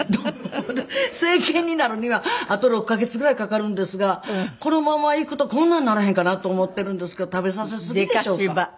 ほんで成犬になるにはあと６カ月ぐらいかかるんですがこのままいくとこんなんにならへんかなと思っているんですけど食べさせすぎでしょうか？